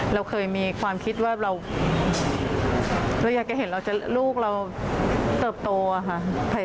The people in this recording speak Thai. เราเคยมีความคิดว่าเราอยากจะเห็นลูกเราเติบโตค่ะ